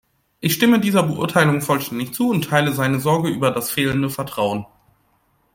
Ich stimme dieser Beurteilung vollständig zu und teile seine Sorge über das fehlende Vertrauen.